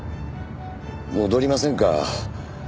戻りませんか？